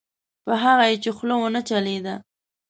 په هغه یې چې خوله ونه چلېده.